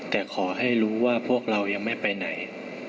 แต่ขอให้รู้ว่าพวกเรายังไม่ไปไหน